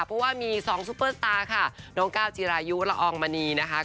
เพราะว่ามี๒ซุปเปอร์สตาร์ค่ะน้องก้าวจีรายุละอองมณีนะคะ